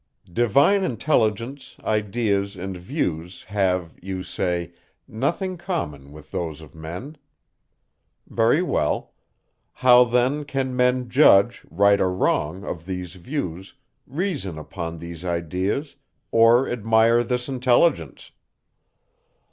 Divine intelligence, ideas, and views, have, you say, nothing common with those of men. Very well. How then can men judge, right or wrong, of these views; reason upon these ideas; or admire this intelligence?